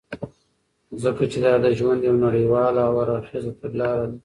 ځكه چې دادژوند يو نړيواله او هر اړخيزه تګلاره ده .